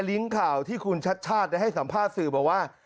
ริ้งข่าวในฐานะประชาชได้ให้สัมภาษณ์สื่อบอกว่า